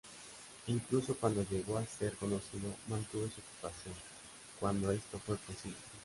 Incluso cuando llegó a ser conocido, mantuvo su ocupación cuando esto fue posible.